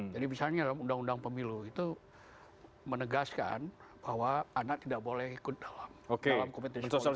jadi misalnya dalam undang undang pemilu itu menegaskan bahwa anak tidak boleh ikut dalam kompetisi politik